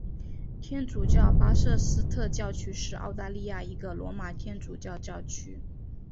天主教巴瑟斯特教区是澳大利亚一个罗马天主教教区。